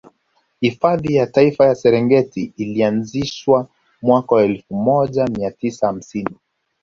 Hifadhi ya Taifa ya Serengeti ilianzishwa mwaka wa elfu moja mia tisa hamsini